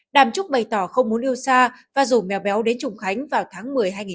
đàm trúc bày tỏ không muốn yêu xa và rủ mèo béo đến trung khánh vào tháng một mươi hai mươi